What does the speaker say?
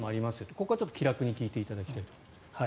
ここはちょっと気楽に聞いていただきたいと思います。